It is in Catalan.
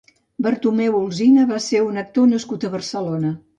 Bartomeu Olsina va ser un actor nascut a Barcelona.